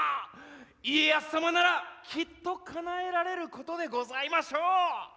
家康様ならきっとかなえられることでございましょう。